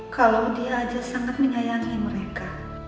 kalau dia aja sangat menyayangi mereka